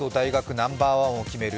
ナンバーワンを決める